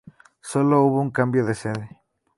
Sólo hubo un cambio de sede.